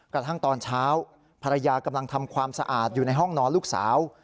กระทั่งตอนเช้าภรรยากำลังทำความสะอาดอยู่ในห้องนอนลูกสาว